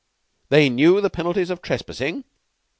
They knew the penalties of trespassing?